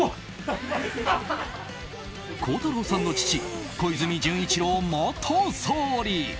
孝太郎さんの父小泉純一郎元総理！